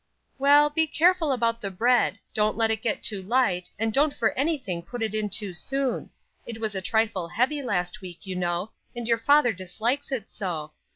"Well, be careful about the bread; don't let it get too light, and don't for anything put it in too soon: it was a trifle heavy last week, you know, and your father dislikes it so.